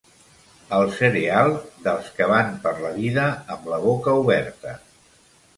El cereal dels que van per la vida amb la boca oberta.